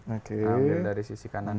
ambil dari sisi kanan